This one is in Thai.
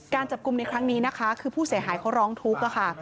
การจับกุมในครั้งนี้คือผู้เสียหายเขาร้องทุกข์